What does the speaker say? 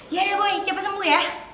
ya udah boy cepet sembuh ya